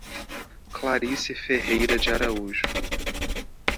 Clarice Ferreira de Araújo